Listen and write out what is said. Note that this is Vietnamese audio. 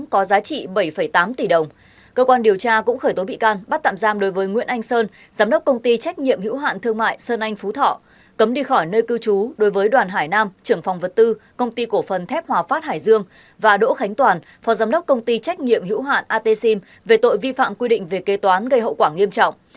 cơ quan điều tra cũng khởi tố bị can bắt tạm giam đối với nguyễn anh sơn giám đốc công ty trách nhiệm hữu hạn thương mại sơn anh phú thọ cấm đi khỏi nơi cư trú đối với đoàn hải nam trưởng phòng vật tư công ty cổ phần thép hòa phát hải dương và đỗ khánh toàn phó giám đốc công ty trách nhiệm hữu hạn atexim về tội vi phạm quy định về kế toán gây hậu quả nghiêm trọng